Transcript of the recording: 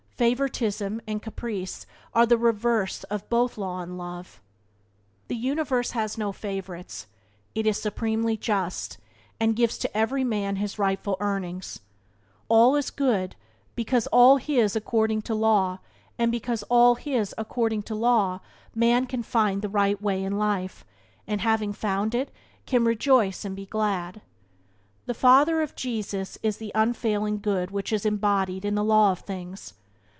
Favouritism and caprice are the reverse of both law and love. The universe has no favourites; it is supremely just, and gives to every man his rightful earnings. All is good because all his according to law, and because all his according to law, man can find the right way in life, and, having found it, can rejoice and be glad. The Father of Jesus is the Unfailing Good which is embodied in the law of things.